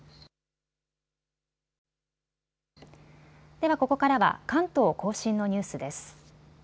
ではここからは関東甲信のニュースです。